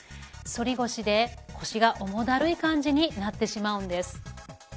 反り腰で腰が重だるい感じになってしまうんです。